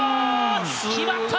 決まった！